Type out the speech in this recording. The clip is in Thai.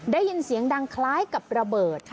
ได้ยินเสียงดังคล้ายกับระเบิด